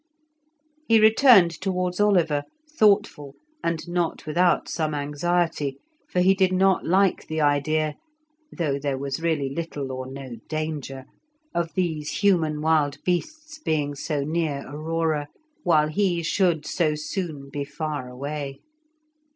He returned towards Oliver, thoughtful and not without some anxiety, for he did not like the idea (though there was really little or no danger) of these human wild beasts being so near Aurora, while he should so soon be far away.